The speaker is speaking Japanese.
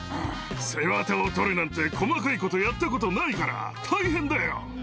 背ワタを取るなんて細かいことやったことないから大変だよ。